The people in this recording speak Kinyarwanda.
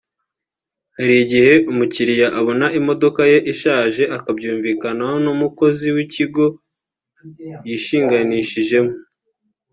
Hari igihe umukiriya abona nk’imodoka ye ishaje akabyumvikanaho n’umukozi w’ikigo yishinganishijemo